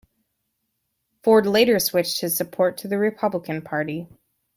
Ford later switched his support to the Republican Party.